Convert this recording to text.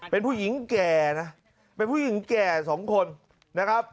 เป็นผู้หญิงแก่นะเป็นผู้หญิงแก่สองคนนะครับ